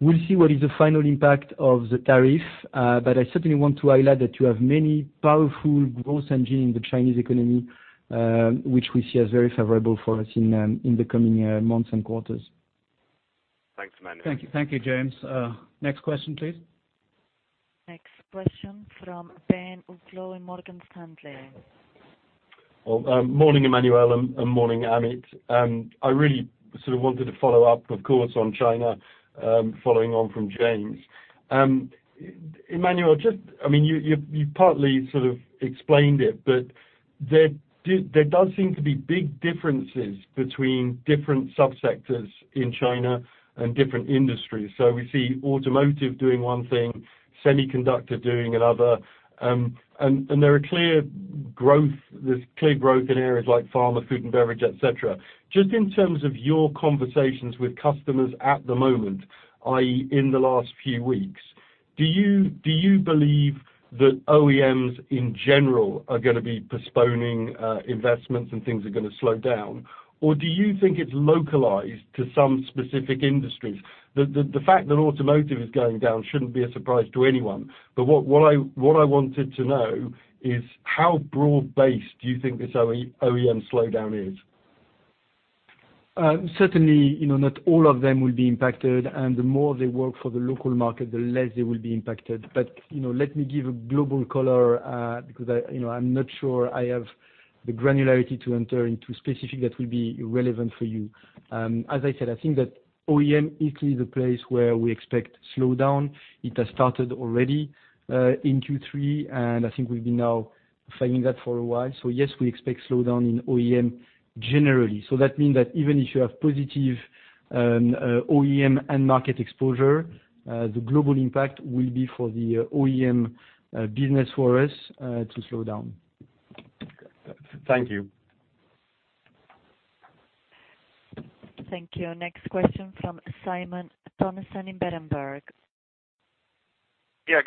We'll see what is the final impact of the tariff. I certainly want to highlight that you have many powerful growth engine in the Chinese economy, which we see as very favorable for us in the coming months and quarters. Thanks, Emmanuel. Thank you, James. Next question, please. Next question from Ben Uglow in Morgan Stanley. Morning, Emmanuel, and morning, Amit. I really sort of wanted to follow up, of course, on China, following on from James. Emmanuel, you partly sort of explained it, but there does seem to be big differences between different sub-sectors in China and different industries. We see automotive doing one thing, semiconductor doing another. There's clear growth in areas like pharma, food and beverage, et cetera. Just in terms of your conversations with customers at the moment, i.e., in the last few weeks, do you believe that OEMs in general are going to be postponing investments and things are going to slow down? Or do you think it's localized to some specific industries? The fact that automotive is going down shouldn't be a surprise to anyone. What I wanted to know is how broad-based do you think this OEM slowdown is? Certainly, not all of them will be impacted, and the more they work for the local market, the less they will be impacted. Let me give a global color, because I'm not sure I have the granularity to enter into specific that will be relevant for you. I said, I think that OEM is the place where we expect slowdown. It has started already, in Q3, and I think we've been now flagging that for a while. Yes, we expect slowdown in OEM generally. That means that even if you have positive OEM end market exposure, the global impact will be for the OEM business for us, to slow down. Thank you. Thank you. Next question from Simon Toennessen in Berenberg. Good morning, Emmanuel and Amit. We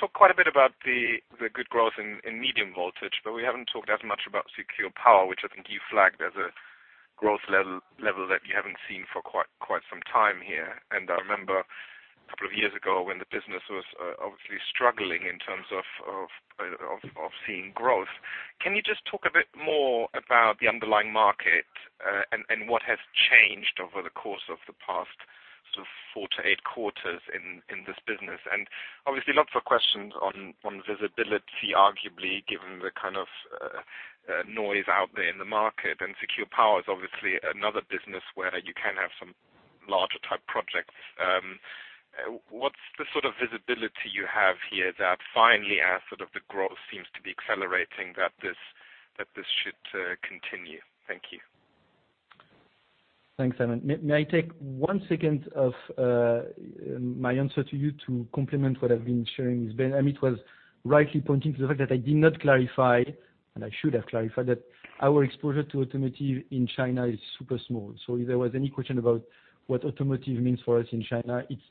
talked quite a bit about the good growth in Medium Voltage, but we haven't talked as much about Secure Power, which I think you flagged as a growth level that you haven't seen for quite some time here. I remember a couple of years ago when the business was obviously struggling in terms of seeing growth. Can you just talk a bit more about the underlying market, and what has changed over the course of the past sort of four to eight quarters in this business? Obviously lots of questions on visibility, arguably, given the kind of noise out there in the market. Secure Power is obviously another business where you can have some larger type projects. What's the sort of visibility you have here that finally as sort of the growth seems to be accelerating, that this should continue? Thank you. Thanks, Simon. May I take one second of my answer to you to complement what I've been sharing with Ben? Amit Bhalla was rightly pointing to the fact that I did not clarify, and I should have clarified, that our exposure to automotive in China is super small. If there was any question about what automotive means for us in China, it's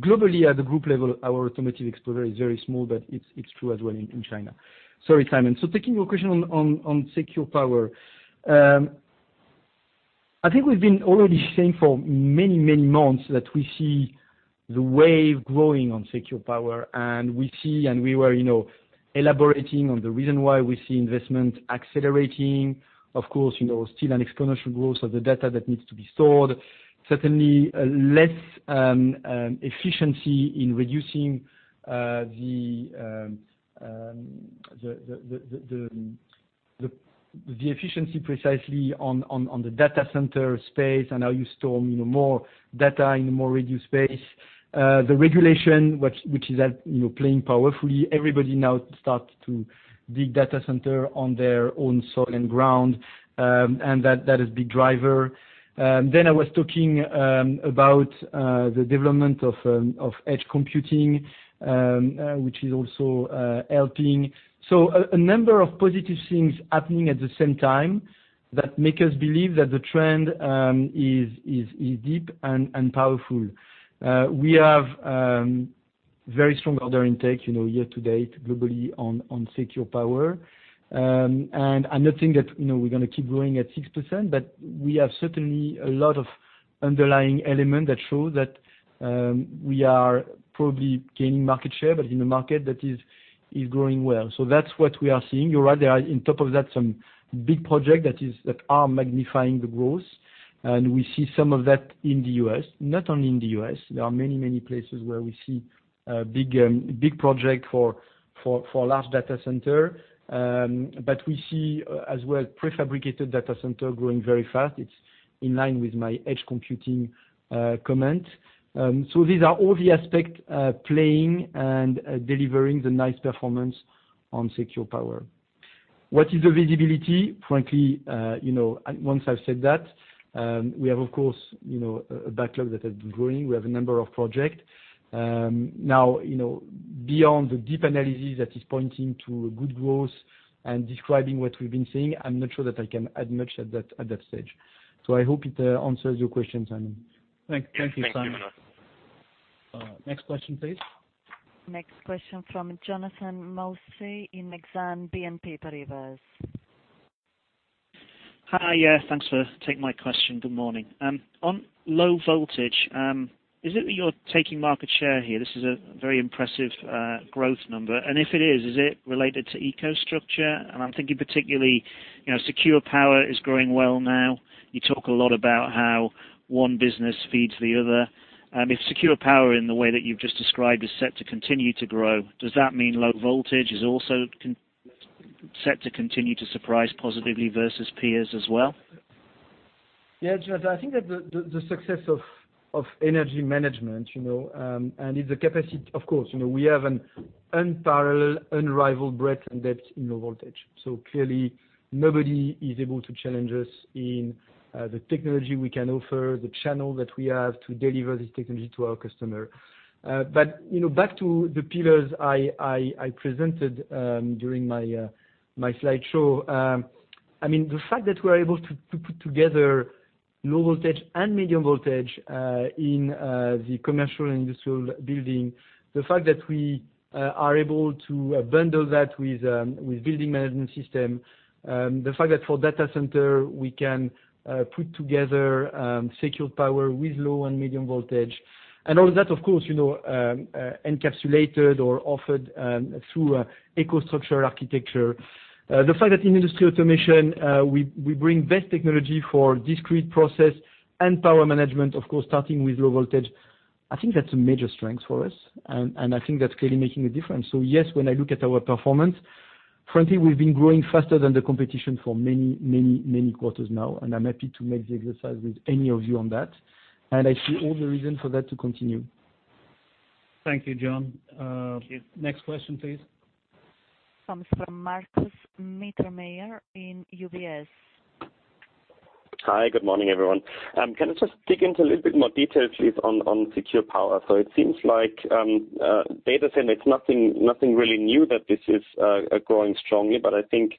globally at the group level, our automotive exposure is very small, but it's true as well in China. Sorry, Simon. Taking your question on Secure Power. I think we've been already saying for many months that we see the wave growing on Secure Power, and we see, and we were elaborating on the reason why we see investment accelerating. Of course, still an exponential growth of the data that needs to be stored. Certainly less efficiency in reducing the efficiency precisely on the data center space and how you store more data in a more reduced space. The regulation which is playing powerfully. Everybody now starts to dig data center on their own soil and ground, and that is big driver. I was talking about the development of edge computing, which is also helping. A number of positive things happening at the same time that make us believe that the trend is deep and powerful. We have very strong order intake year to date globally on Secure Power. I'm not saying that we're going to keep growing at 6%, but we have certainly a lot of underlying element that shows that we are probably gaining market share, but in a market that is growing well. That's what we are seeing. You're right, there are, on top of that, some big projects that are magnifying the growth, and we see some of that in the U.S. Not only in the U.S., there are many places where we see a big project for large data center. We see as well prefabricated data center growing very fast. It's in line with my edge computing comment. These are all the aspects playing and delivering the nice performance on Secure Power. What is the visibility? Frankly, once I've said that, we have, of course, a backlog that has been growing. We have a number of projects. Beyond the deep analysis that is pointing to a good growth and describing what we've been seeing, I'm not sure that I can add much at that stage. I hope it answers your question, Simon. Thank you, Simon. Yes. Thank you. Next question, please. Next question from Jonathan Mounsey in BNP Paribas Exane. Hi. Yeah, thanks for taking my question. Good morning. On Low Voltage, is it that you're taking market share here? This is a very impressive growth number. If it is it related to EcoStruxure? I'm thinking particularly, Secure Power is growing well now. You talk a lot about how one business feeds the other. If Secure Power in the way that you've just described is set to continue to grow, does that mean Low Voltage is also set to continue to surprise positively versus peers as well? Yeah, Jonathan, I think that the success of Energy Management. Of course, we have an unparalleled, unrivaled breadth and depth in Low Voltage. Clearly nobody is able to challenge us in the technology we can offer, the channel that we have to deliver this technology to our customer. Back to the pillars I presented during my slideshow. The fact that we're able to put together Low Voltage and Medium Voltage in the commercial and industrial building, the fact that we are able to bundle that with building management system, the fact that for data center, we can put together Secure Power with Low and Medium Voltage, all that, of course, encapsulated or offered through EcoStruxure architecture. The fact that in Industrial Automation, we bring best technology for discrete process and power management, of course, starting with Low Voltage. I think that's a major strength for us, and I think that's clearly making a difference. Yes, when I look at our performance, frankly, we've been growing faster than the competition for many quarters now, and I'm happy to make the exercise with any of you on that. I see all the reason for that to continue. Thank you, John. Thank you. Next question, please. This one is from Markus Mittermaier in UBS. Hi. Good morning, everyone. Can I just dig into a little bit more detail, please, on Secure Power? It seems like data center, it's nothing really new that this is growing strongly. I think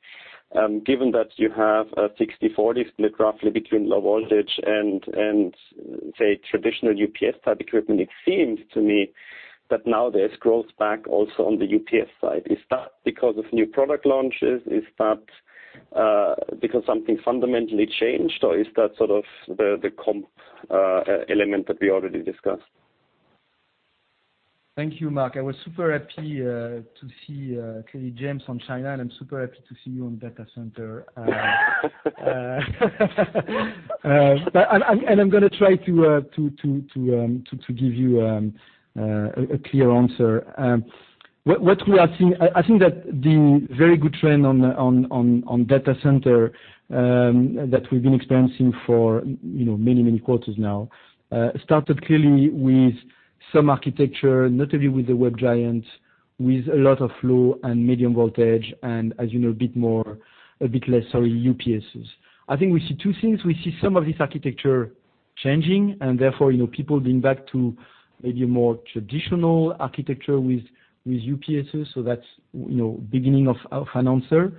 given that you have a 60/40 split roughly between Low Voltage and, say, traditional UPS type equipment, it seems to me that now there's growth back also on the UPS side. Is that because of new product launches? Is that because something fundamentally changed, or is that sort of the comp element that we already discussed? Thank you, Mark. I was super happy to see clearly James on China, and I'm super happy to see you on data center. I'm going to try to give you a clear answer. I think that the very good trend on data center that we've been experiencing for many quarters now, started clearly with some architecture, notably with the web giant, with a lot of Low and Medium Voltage, and as you know, a bit less UPSs. I think we see two things. We see some of this architecture changing, and therefore people being back to maybe a more traditional architecture with UPSs. That's beginning of an answer.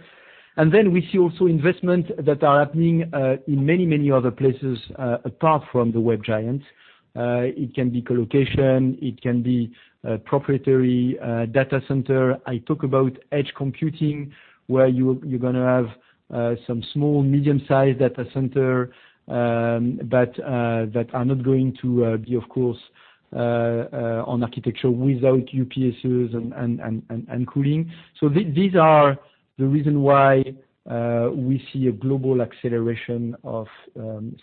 Then we see also investment that are happening in many other places apart from the web giants. It can be colocation, it can be proprietary data center. I talk about edge computing, where you're going to have some small medium-sized data center, but that are not going to be, of course, on architecture without UPSs and cooling. These are the reason why we see a global acceleration of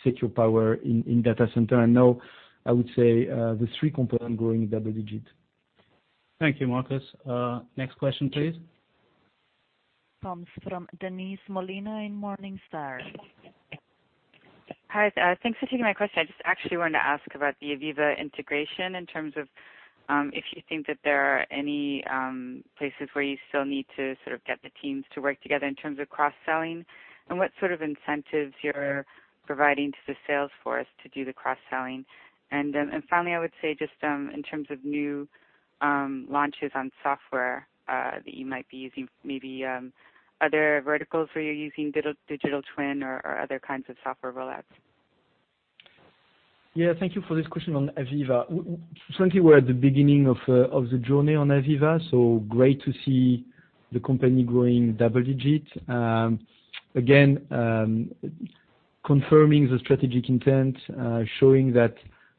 Secure Power in data center. Now, I would say the three component growing double digit. Thank you, Markus. Next question, please. Comes from Denise Molina in Morningstar. Hi. Thanks for taking my question. I just actually wanted to ask about the AVEVA integration in terms of if you think that there are any places where you still need to sort of get the teams to work together in terms of cross-selling, and what sort of incentives you're providing to the sales force to do the cross-selling. Finally, I would say just in terms of new launches on software that you might be using, maybe are there verticals where you're using digital twin or other kinds of software rollouts? Yeah. Thank you for this question on AVEVA. Certainly, we're at the beginning of the journey on AVEVA, great to see the company growing double digit. Again, confirming the strategic intent, showing that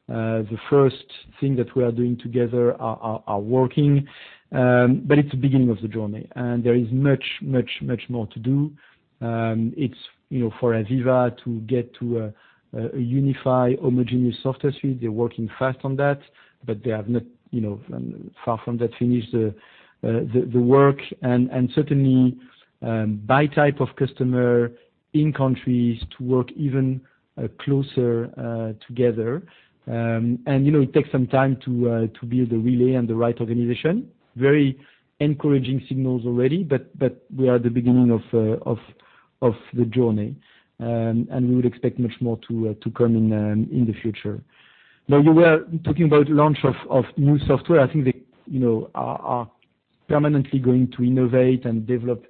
the first thing that we are doing together are working. It's the beginning of the journey, and there is much more to do. It's for AVEVA to get to a unified homogeneous software suite. They're working fast on that, but they have not far from that finished the work and certainly, by type of customer in countries to work even closer together. It takes some time to build the relay and the right organization. Very encouraging signals already, but we are at the beginning of the journey. We would expect much more to come in the future. Now you were talking about launch of new software. I think they are permanently going to innovate and develop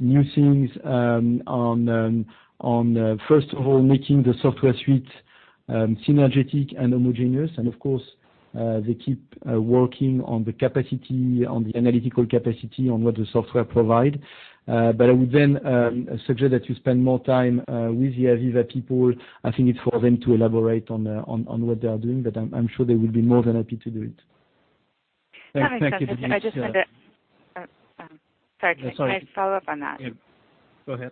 new things on, first of all, making the software suite synergetic and homogeneous, and of course, they keep working on the analytical capacity on what the software provide. I would then suggest that you spend more time with the AVEVA people. I think it's for them to elaborate on what they are doing, but I'm sure they will be more than happy to do it. Thank you, Denise. Can I just, Sorry. Sorry. Can I follow up on that? Yeah. Go ahead.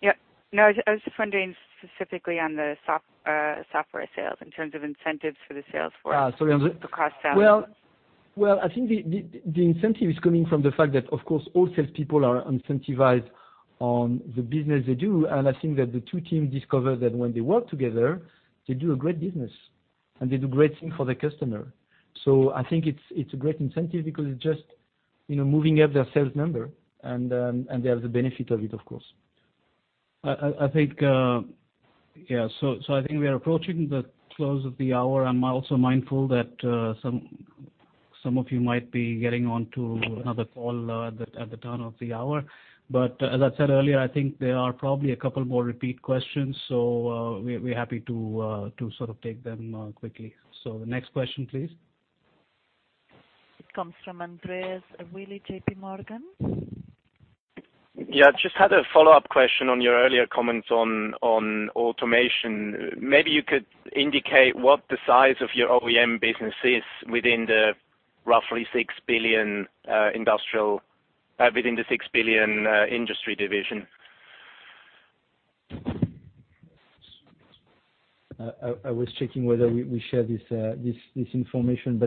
Yeah. No, I was just wondering specifically on the software sales in terms of incentives for the sales force. Sorry. For cross-selling. Well, I think the incentive is coming from the fact that, of course, all salespeople are incentivized on the business they do, and I think that the two teams discover that when they work together, they do a great business, and they do great thing for the customer. I think it's a great incentive because it's just moving up their sales number and they have the benefit of it, of course. I think, yeah. I think we are approaching the close of the hour. I'm also mindful that some of you might be getting onto another call at the turn of the hour. As I said earlier, I think there are probably a couple more repeat questions, so we're happy to sort of take them quickly. The next question, please. It comes from Andreas Willi, JPMorgan. Yeah. Just had a follow-up question on your earlier comments on automation. Maybe you could indicate what the size of your OEM business is within the roughly 6 billion industry division. I was checking whether we share this information.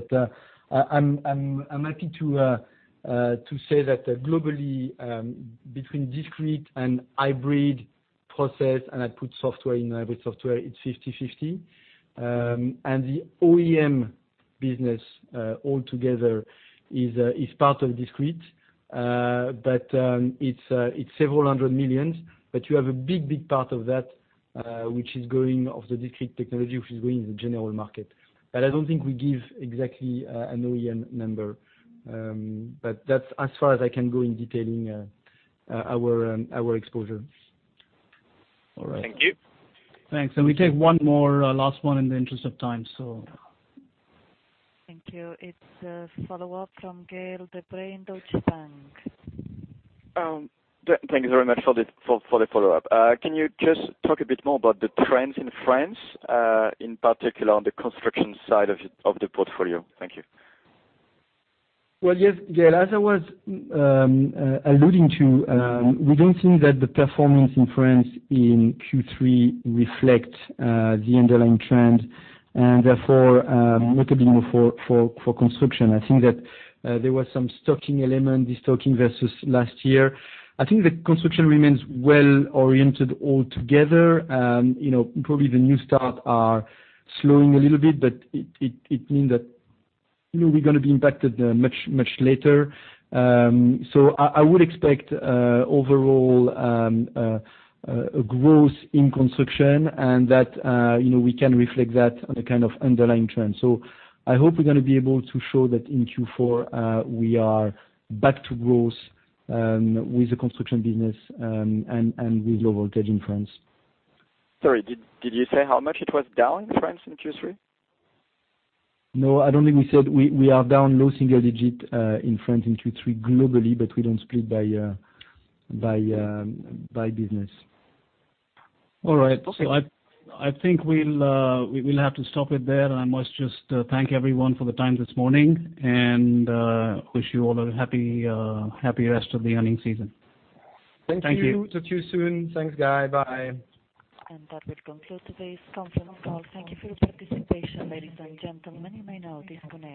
I'm happy to say that globally, between discrete and hybrid process, and I put software in hybrid software, it's 50/50. The OEM business altogether is part of discrete. It's several hundred millions, but you have a big part of that which is going of the discrete technology, which is going in the general market. I don't think we give exactly an OEM number. That's as far as I can go in detailing our exposure. All right. Thank you. Thanks. We take one more, last one in the interest of time. Thank you. It's a follow-up from Gaël De Bray, Deutsche Bank. Thank you very much for the follow-up. Can you just talk a bit more about the trends in France, in particular on the construction side of the portfolio? Thank you. Well, yes, Gaël, as I was alluding to, we don't think that the performance in France in Q3 reflect the underlying trend, and therefore notably for construction. I think that there was some stocking element, destocking versus last year. I think the construction remains well-oriented altogether. Probably the new start are slowing a little bit, but it mean that we're going to be impacted much later. I would expect overall growth in construction and that we can reflect that on the kind of underlying trend. I hope we're going to be able to show that in Q4, we are back to growth with the construction business, and with Low Voltage in France. Sorry, did you say how much it was down, France in Q3? No, I don't think we said. We are down low single digit, in France in Q3 globally, but we don't split by business. All right. I think we'll have to stop it there, and I must just thank everyone for the time this morning and wish you all a happy rest of the earnings season. Thank you. Thank you. Talk to you soon. Thanks, Gaël. Bye. That would conclude today's conference call. Thank you for your participation, ladies and gentlemen. You may now disconnect.